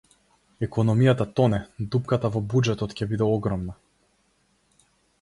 Економијата тоне, дупката во буџетот ќе биде огромна